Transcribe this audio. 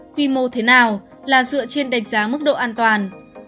quy mô thế nào là dựa trên đánh giá mức độ an toàn